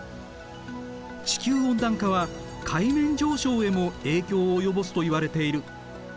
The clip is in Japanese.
地球温暖化は海面上昇へも影響を及ぼすといわれている。